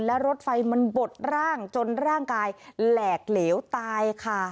และรถไฟมันบดร่างจนร่างกายแหลกเหลวตายค่ะ